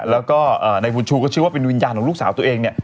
แล้วก็นายบุญชูก็เชื่อว่าเป็นวิญญาณของลูกสาวตัวเองเนี่ย